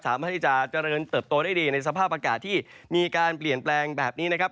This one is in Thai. สามารถที่จะเจริญเติบโตได้ดีในสภาพอากาศที่มีการเปลี่ยนแปลงแบบนี้นะครับ